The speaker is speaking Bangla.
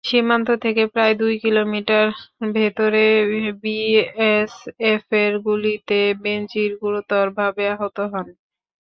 সীমান্ত থেকে প্রায় দুই কিলোমিটার ভেতরে বিএসএফের গুলিতে বেনজির গুরুতরভাবে আহত হন।